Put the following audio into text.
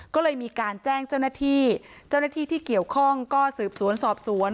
ก็เลยมีการแจ้งเจ้าหน้าที่เจ้าหน้าที่ที่เกี่ยวข้องก็สืบสวนสอบสวน